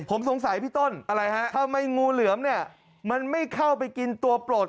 ผมสงสัยพี่ต้นทำไมงูเหลือมมันไม่เข้าไปกินตัวโปรด